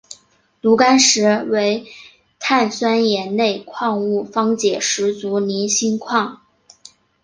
炉甘石为碳酸盐类矿物方解石族菱锌矿。